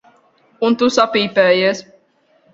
Un tu sapīpējies.